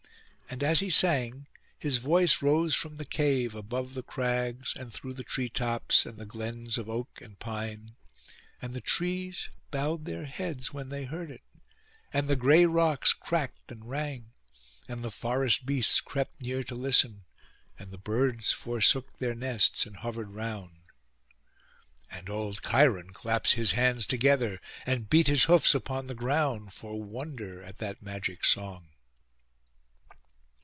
And as he sang, his voice rose from the cave, above the crags, and through the tree tops, and the glens of oak and pine. And the trees bowed their heads when they heard it, and the gray rocks cracked and rang, and the forest beasts crept near to listen, and the birds forsook their nests and hovered round. And old Cheiron claps his hands together, and beat his hoofs upon the ground, for wonder at that magic song.